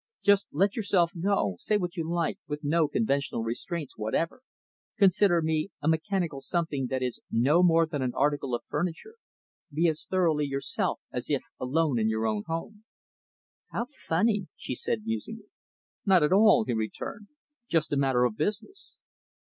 Just let yourself go say what you like, with no conventional restraints whatever consider me a mechanical something that is no more than an article of furniture be as thoroughly yourself as if alone in your own room." "How funny," she said musingly. "Not at all" he returned "just a matter of business."